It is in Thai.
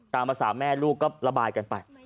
ตามภาษาแม่ลูกก็ระบายกันไป